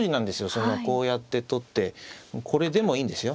そのこうやって取ってこれでもいいんですよ。